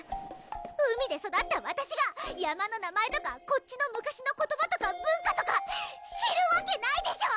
海で育ったわたしが山の名前とかこっちの昔の言葉とか文化とか知るわけないでしょ！